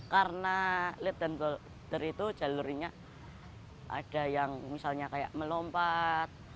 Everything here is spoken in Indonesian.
karena lead dan boulder itu jalurnya ada yang misalnya kayak melompat